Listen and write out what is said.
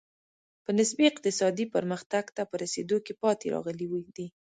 په نسبي اقتصادي پرمختګ ته په رسېدو کې پاتې راغلي دي.